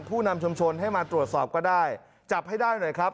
ผู้นำชุมชนให้มาตรวจสอบก็ได้จับให้ได้หน่อยครับ